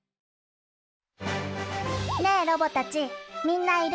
ねぇロボたちみんないる？